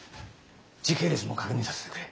時系列も確認させてくれ。